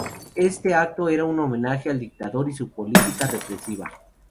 Este acto era un homenaje al dictador y a su política represiva.